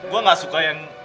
gue gak suka yang